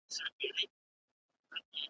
يوه ورځ سره غونډيږي `